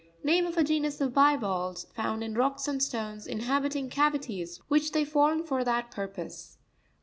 Name of a genus of bivalves found in rocks and stones, inhabiting cavities which they form for that purpose.